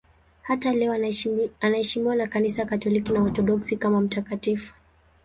Hata leo anaheshimiwa na Kanisa Katoliki na Waorthodoksi kama mtakatifu.